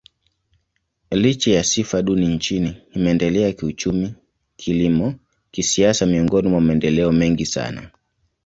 Licha ya sifa duni nchini, imeendelea kiuchumi, kilimo, kisiasa miongoni mwa maendeleo mengi sana.